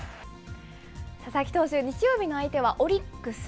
佐々木投手、日曜日の相手はオリックス。